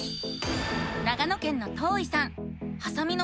長野県のとういさん。